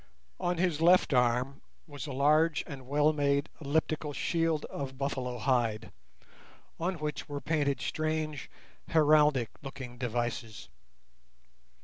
On his left arm was a large and well made elliptical shield of buffalo hide, on which were painted strange heraldic looking devices.